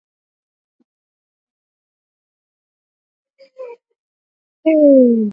Viashiria vyote vinavyopatikana kwetu katika umoja wa Mataifa na Umoja wa Afrika vinaonyesha kuwa nchi iko kwenye hatari kubwa